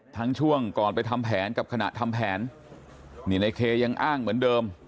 ช่วงก่อนไปทำแผนกับขณะทำแผนนี่ในเคยังอ้างเหมือนเดิม